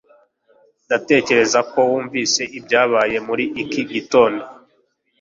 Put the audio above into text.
ndakeka ko wumvise ibyabaye muri iki gitondo